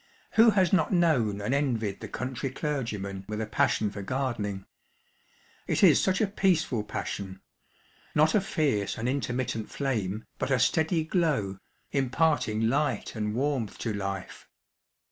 AVho has not known and envied the country clergyman with a passion for gardening ? It is such a peaceful pas sion ; not a fierce and intermittent flame, but a steady glow, impart ing light and warmth to life.